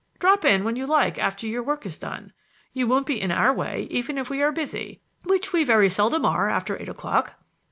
Drop in when you like after your work is done. You won't be in our way even if we are busy, which we very seldom are after eight o'clock."